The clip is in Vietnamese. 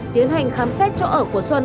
tiến hành khám xét chỗ ở của xuân